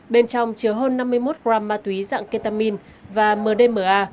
bên trong chứa hơn năm mươi một gram ma túy dạng ketamin và mdma